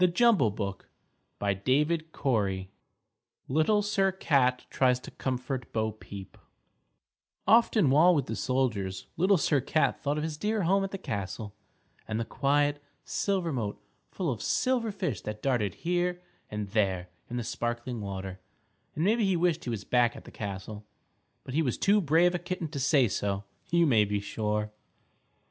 LITTLE SIR CAT Little Sir Cat Tries to Comfort Bo Peep Often while with the soldiers Little Sir Cat thought of his dear home at the castle and the quiet silver moat full of silver fish that darted here and there in the sparkling water, and maybe he wished he was back at the castle, but he was too brave a kitten to say so, you may be sure.